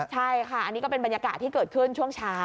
ใช่ค่ะอันนี้ก็เป็นบรรยากาศที่เกิดขึ้นช่วงเช้า